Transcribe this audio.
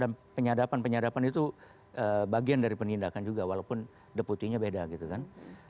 dan penyadapan penyadapan itu bagian dari penindakan juga walaupun deputinya beda gitu kan